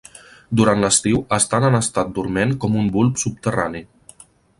Durant l'estiu estan en estat dorment com un bulb subterrani.